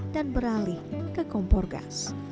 dan beralih ke kompor gas